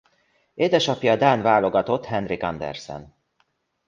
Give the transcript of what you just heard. Édesapja a dán válogatott Henrik Andersen.